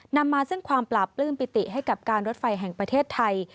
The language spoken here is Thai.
นำมาซึ่งความปราบปลื้มปิติให้กับการรถไฟแห่งประเทศไทย